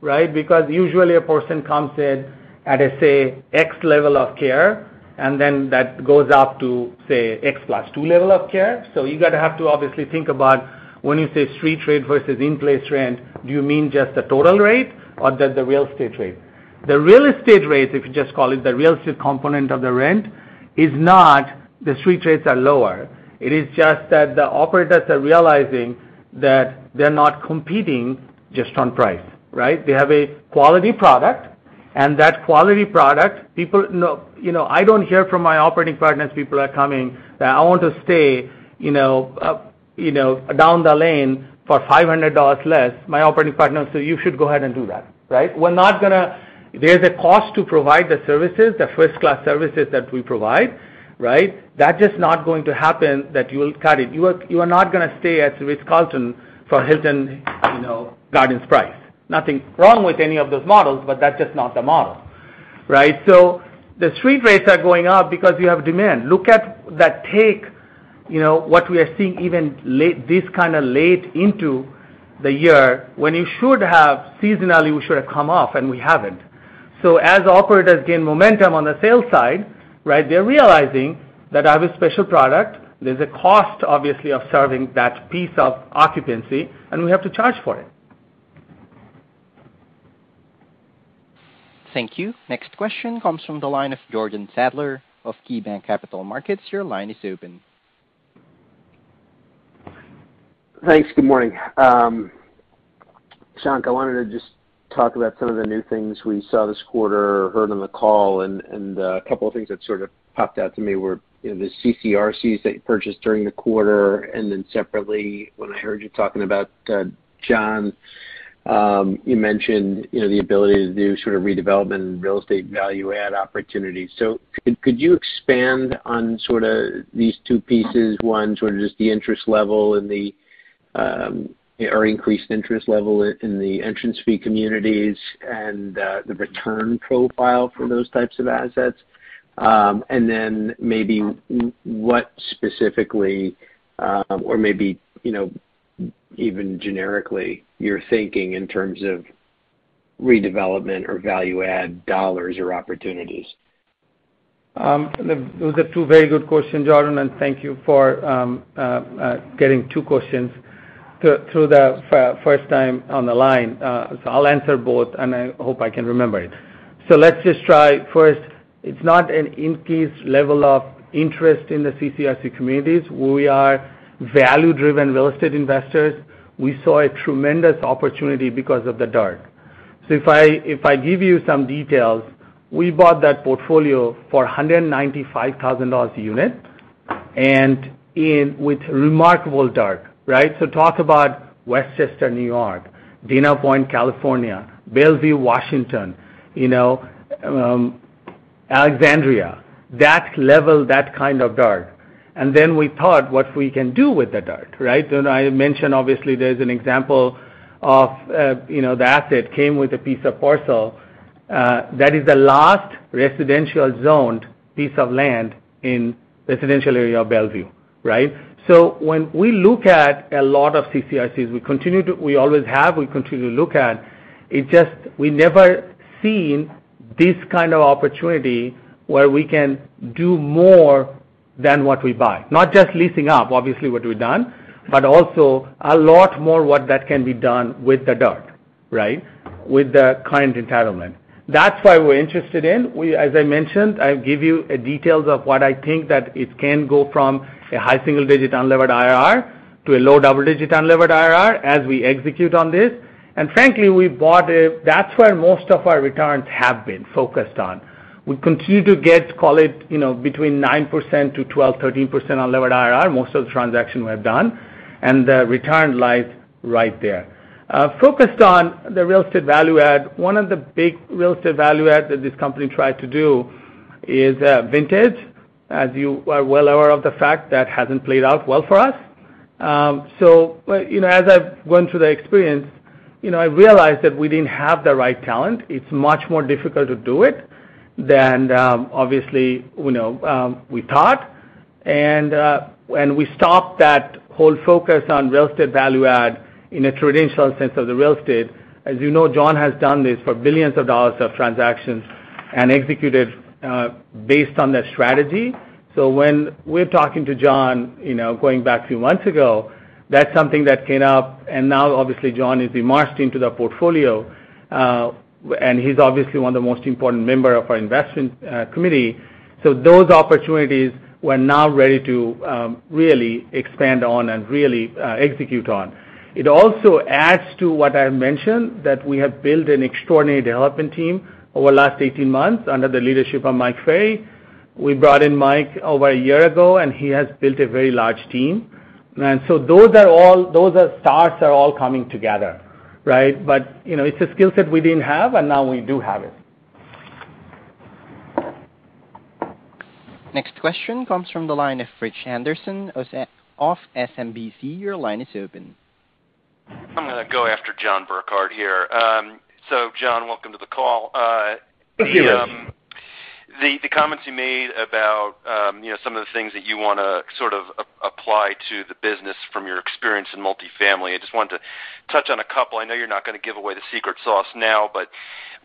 right? Because usually a person comes in at, let's say, X level of care, and then that goes up to, say, X plus two level of care. You have to obviously think about when you say street rate versus in-place rent, do you mean just the total rate or the real estate rate? The real estate rate, if you just call it the real estate component of the rent, is not. The street rates are lower. It is just that the operators are realizing that they're not competing just on price, right? They have a quality product, and that quality product, you know, I don't hear from my operating partners, people are coming that I want to stay, you know, up, you know, down the lane for $500 less. My operating partners say you should go ahead and do that, right? There's a cost to provide the services, the first-class services that we provide, right? That's just not going to happen that you will cut it. You are not gonna stay at Ritz-Carlton for Hilton Garden Inn's price. Nothing wrong with any of those models, but that's just not the model, right? The street rates are going up because you have demand. Look at that take, you know, what we are seeing this kinda late into the year when seasonally we should have come off, and we haven't. As operators gain momentum on the sales side, right, they're realizing that I have a special product. There's a cost, obviously, of serving that piece of occupancy, and we have to charge for it. Thank you. Next question comes from the line of Jordan Sadler of KeyBanc Capital Markets. Your line is open. Thanks. Good morning. Shawn, I wanted to just talk about some of the new things we saw this quarter or heard on the call, and a couple of things that sort of popped out to me were, you know, the CCRCs that you purchased during the quarter. Separately, when I heard you talking about, John, you mentioned, you know, the ability to do sort of redevelopment and real estate value add opportunities. Could you expand on these two pieces, one, sort of just the interest level and the or increased interest level in the entrance fee communities and the return profile for those types of assets? Then maybe what specifically or maybe, you know, even generically you're thinking in terms of redevelopment or value add dollars or opportunities. Those are two very good questions, Jordan, and thank you for getting two questions through the first time on the line. I'll answer both, and I hope I can remember it. Let's just try. First, it's not an increased level of interest in the CCRC communities. We are value-driven real estate investors. We saw a tremendous opportunity because of the dirt. If I give you some details, we bought that portfolio for $195,000 a unit and with remarkable dirt, right? Talk about Westchester, New York, Dana Point, California, Bellevue, Washington, you know, Alexandria. That level, that kind of dirt. And then we thought what we can do with the dirt, right? I mentioned, obviously, there's an example of, you know, the asset came with a piece of parcel that is the last residential zoned piece of land in residential area of Bellevue, right? So when we look at a lot of CCRCs, we always have, we continue to look at. It just we never seen this kind of opportunity where we can do more than what we buy. Not just leasing up, obviously, what we've done, but also a lot more what that can be done with the dirt, right, with the current entitlement. That's why we're interested in. As I mentioned, I'll give you details of what I think that it can go from a high single digit unlevered IRR to a low double digit unlevered IRR as we execute on this. Frankly, that's where most of our returns have been focused on. We continue to get, call it, between 9% to 12%, 13% unlevered IRR, most of the transaction we have done, and the return lies right there. Focused on the real estate value add, one of the big real estate value add that this company tried to do is Vintage. As you are well aware of the fact that hasn't played out well for us. As I've went through the experience, I realized that we didn't have the right talent. It's much more difficult to do it than obviously we thought. When we stopped that whole focus on real estate value add in a traditional sense of the real estate, as you know, John has done this for billions of dollars of transactions and executed based on the strategy. When we're talking to John, you know, going back two months ago, that's something that came up, and now obviously John is immersed into the portfolio, and he's obviously one of the most important member of our investment committee. Those opportunities, we're now ready to really expand on and really execute on. It also adds to what I mentioned, that we have built an extraordinary development team over the last 18 months under the leadership of Mike Ferry. We brought in Mike over a year ago, and he has built a very large team. Those starts are all coming together, right? You know, it's a skill set we didn't have, and now we do have it. Next question comes from the line of Rich Anderson of SMBC. Your line is open. I'm gonna go after John Burkart here. John, welcome to the call. Yes. The comments you made about you know some of the things that you wanna sort of apply to the business from your experience in multifamily, I just wanted to touch on a couple. I know you're not gonna give away the secret sauce now, but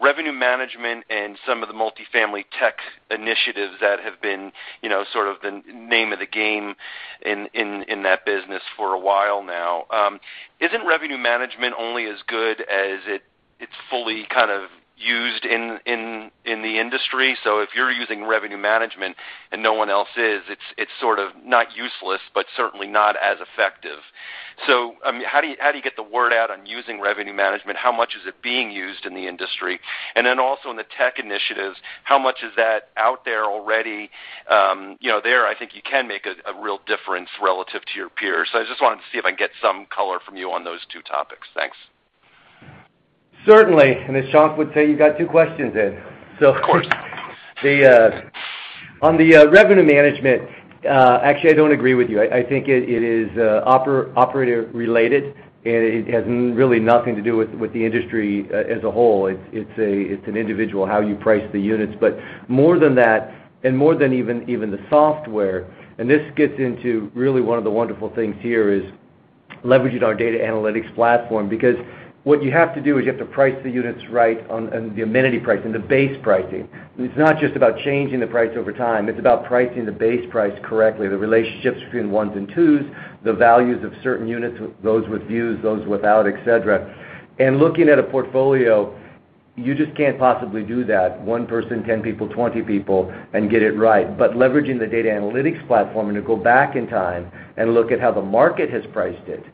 revenue management and some of the multifamily tech initiatives that have been you know sort of the name of the game in that business for a while now. Isn't revenue management only as good as it's fully kind of used in the industry? I mean, how do you get the word out on using revenue management? How much is it being used in the industry? Then also in the tech initiatives, how much is that out there already? You know, there, I think you can make a real difference relative to your peers. I just wanted to see if I can get some color from you on those two topics. Thanks. Certainly. As Shankh would say, you got two questions in. Of course. On the revenue management, actually, I don't agree with you. I think it is operator related, and it has really nothing to do with the industry as a whole. It's an individual how you price the units. But more than that, and more than even the software, and this gets into really one of the wonderful things here is leveraging our data science platform. Because what you have to do is you have to price the units right on and the amenity pricing, the base pricing. It's not just about changing the price over time, it's about pricing the base price correctly, the relationships between ones and twos, the values of certain units, those with views, those without, et cetera. Looking at a portfolio, you just can't possibly do that one person, 10 people, 20 people, and get it right. Leveraging the data science platform, and to go back in time and look at how the market has priced it,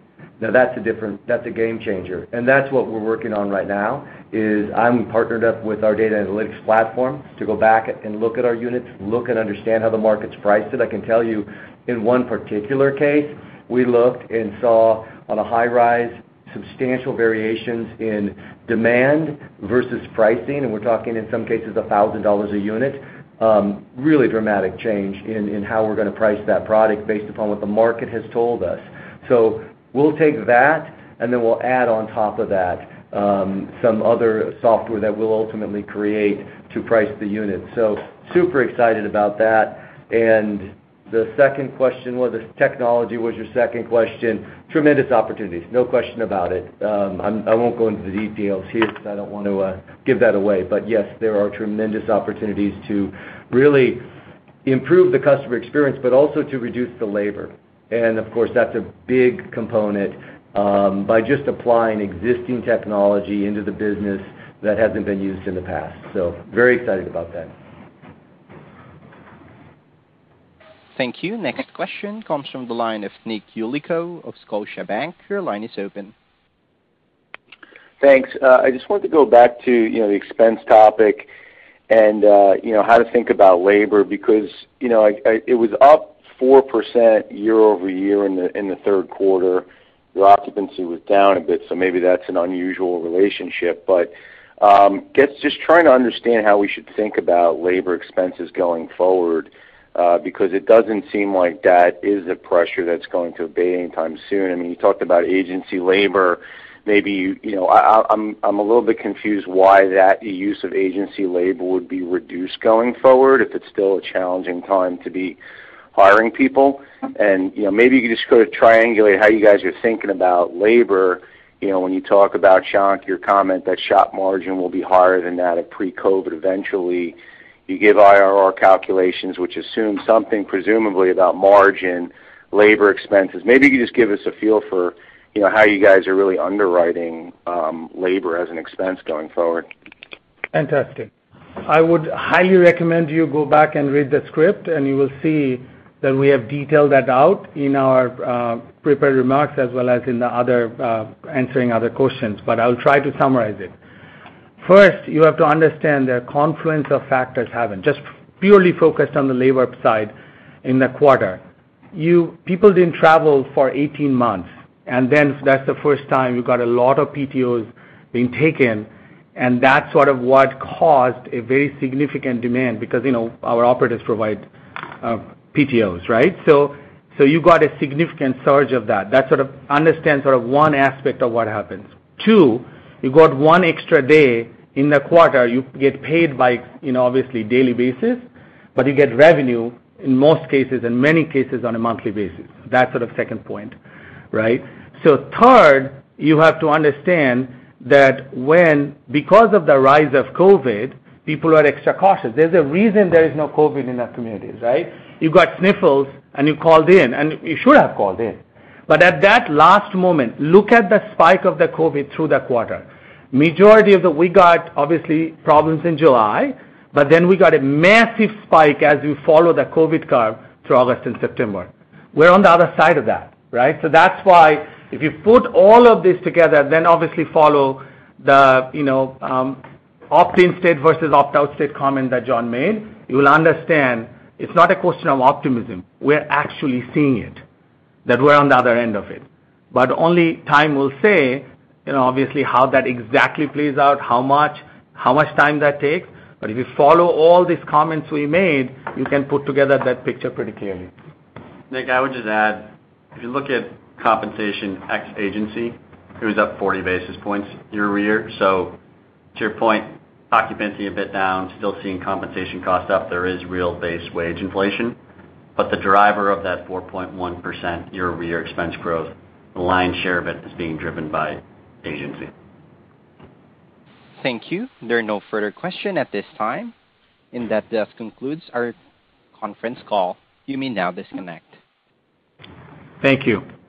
now that's a game changer. That's what we're working on right now, is I'm partnered up with our data science platform to go back and look at our units, look and understand how the market's priced it. I can tell you, in one particular case, we looked and saw on a high rise substantial variations in demand versus pricing, and we're talking, in some cases, $1,000 a unit. Really dramatic change in how we're gonna price that product based upon what the market has told us. We'll take that, and then we'll add on top of that, some other software that we'll ultimately create to price the unit. Super excited about that. The second question was technology. Tremendous opportunities. No question about it. I won't go into the details here because I don't want to give that away. Yes, there are tremendous opportunities to really improve the customer experience, but also to reduce the labor. Of course, that's a big component by just applying existing technology into the business that hasn't been used in the past. Very excited about that. Thank you. Next question comes from the line of Nick Yulico of Scotiabank. Your line is open. Thanks. I just wanted to go back to, you know, the expense topic and, you know, how to think about labor because, you know, it was up 4% year-over-year in the Q3. Your occupancy was down a bit, so maybe that's an unusual relationship. I guess just trying to understand how we should think about labor expenses going forward, because it doesn't seem like that is a pressure that's going to abate anytime soon. I mean, you talked about agency labor. Maybe, you know, I'm a little bit confused why that use of agency labor would be reduced going forward if it's still a challenging time to be hiring people. You know, maybe you could just sort of triangulate how you guys are thinking about labor, you know, when you talk about, Shankh, your comment that SHOP margin will be higher than that of pre-COVID eventually. You give IRR calculations, which assume something presumably about margin, labor expenses. Maybe you could just give us a feel for, you know, how you guys are really underwriting, labor as an expense going forward. Fantastic. I would highly recommend you go back and read the script and you will see that we have detailed that out in our prepared remarks as well as in the other answering other questions, but I'll try to summarize it. First, you have to understand the confluence of factors happened. Just purely focused on the labor side in the quarter. People didn't travel for 18 months, and then that's the first time you got a lot of PTOs being taken, and that's sort of what caused a very significant demand because, you know, our operators provide PTOs, right? You got a significant surge of that. Understand sort of one aspect of what happens. Two, you got one extra day in the quarter, you get paid by, you know, obviously daily basis, but you get revenue in most cases, in many cases, on a monthly basis. That's sort of second point, right? Third, you have to understand that when, because of the rise of COVID, people are extra cautious. There's a reason there is no COVID in our communities, right? You got sniffles and you called in, and you should have called in. At that last moment, look at the spike of the COVID through the quarter. We got obviously problems in July, but then we got a massive spike as you follow the COVID curve through August and September. We're on the other side of that, right? That's why if you put all of this together, then obviously follow the, you know, opt-in state versus opt-out state comment that John made, you will understand it's not a question of optimism. We're actually seeing it, that we're on the other end of it. But only time will say, you know, obviously, how that exactly plays out, how much time that takes. But if you follow all these comments we made, you can put together that picture pretty clearly. Nick, I would just add, if you look at compensation ex agency, it was up 40 basis points year-over-year. To your point, occupancy a bit down, still seeing compensation costs up. There is real base wage inflation. The driver of that 4.1% year-over-year expense growth, the lion's share of it is being driven by agency. Thank you. There are no further questions at this time, and that does conclude our conference call. You may now disconnect. Thank you.